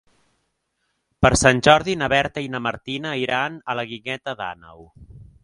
Per Sant Jordi na Berta i na Martina iran a la Guingueta d'Àneu.